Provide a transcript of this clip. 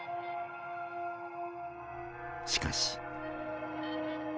しかし。